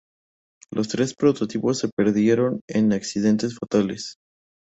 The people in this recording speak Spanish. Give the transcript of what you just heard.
Los tres prototipos se perdieron en accidentes fatales.